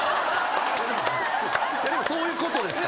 そういうことですから。